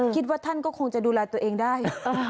คิดว่าท่านก็คงจะดูแลตัวเองได้